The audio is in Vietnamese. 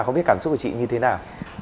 không biết cảm xúc của chị như thế nào